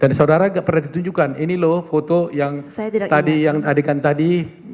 dan saudara gak pernah ditunjukkan ini loh foto yang tadi yang adegan tadi